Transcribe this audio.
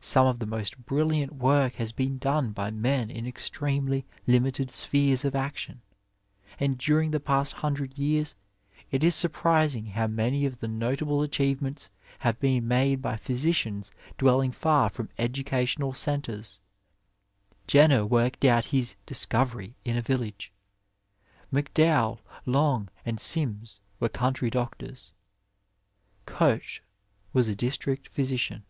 Some of the most brilliant work has been done by men in extremely limited spheres of action, and during the past hundred years it is surprising how manv of the notable achievements have been made by physicians dwelling far from educational ^lentres — Jenner worked out his discovery in a village; 109 Digitized by VjOOQIC THE ARMY SURGEON McDowell, Long, and Sims were country doctors ; Koch was a district physician.